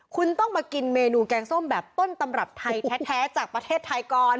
คุณต้องมากินเมนูแกงส้มแบบต้นตำรับไทยแท้จากประเทศไทยก่อน